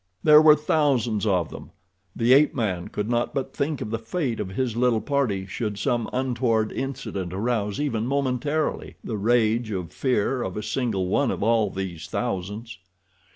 There were thousands of them. The ape man could not but think of the fate of his little party should some untoward incident arouse even momentarily the rage of fear of a single one of all these thousands.